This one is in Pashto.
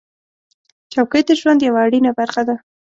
چوکۍ د ژوند یوه اړینه برخه ده.